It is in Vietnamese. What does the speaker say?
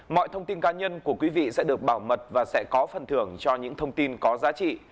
mọi thông tin cá nhân của quý vị sẽ được bảo mật và sẽ có phần thưởng cho những thông tin có giá trị